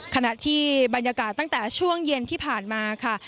ขณะที่บรรยากาศตั้งแต่ช่วงเย็นที่ผ่านมาค่ะ